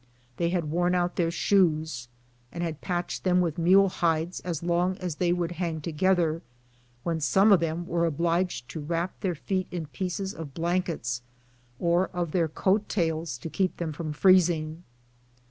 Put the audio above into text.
They had worn out their shoes, and had patch ed them with mule hides as long as they would hang to gether, when some of them were obliged to wrap their feet in pieces of blankets or of their coat tails to keep them from freezing.